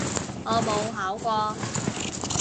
我冇考過